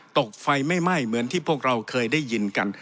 ตกไฟไม่ไหม้เหมือนที่พวกเราเคยได้ยินกัน